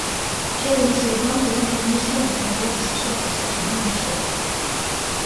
Pierre-Brice Lebrun présente une émission hebdomadaire de chanson française le dimanche soir.